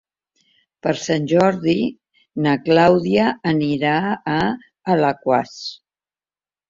Per Sant Jordi na Clàudia anirà a Alaquàs.